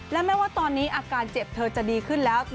และแม้ว่าตอนนี้อาการเจ็บเธอจะดีขึ้นแล้ว